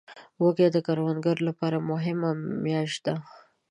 وږی د کروندګرو لپاره مهمه میاشت ده.